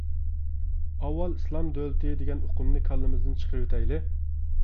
ئاۋۋال ئىسلام دۆلىتى دېگەن ئۇقۇمنى كاللىمىزدىن چىقىرىۋېتەيلى.